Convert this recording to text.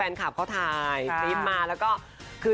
เราก็ทีมาเดียวกันคุณผู้ชมมีคลิปนึง